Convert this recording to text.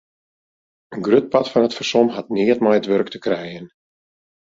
In grut part fan it fersom hat neat mei it wurk te krijen.